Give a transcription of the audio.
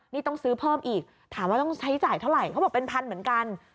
นี่ต้องซื้อเพิ่มอีกถามว่าต้องใช้จ่ายเท่าไหร่เขาบอกเป็นพันเหมือนกัน